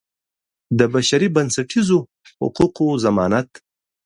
د بشري بنسټیزو حقوقو ضمانت.